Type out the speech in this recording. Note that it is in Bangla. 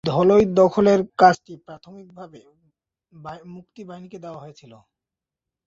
ধলই দখলের কাজটি প্রাথমিকভাবে মুক্তি বাহিনীকে দেওয়া হয়েছিল।